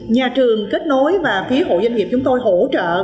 nhà trường kết nối và phía hội doanh nghiệp chúng tôi hỗ trợ